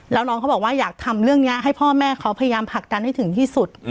แล้วน้องเขาบอกว่าอยากทำเรื่องนี้ให้พ่อแม่เขาพยายามผลักดันให้ถึงที่สุด